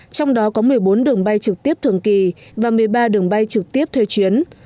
trong đó có một mươi bốn đường bay trực tiếp thường kỳ và một mươi ba đường bay trực tiếp thuê chuyến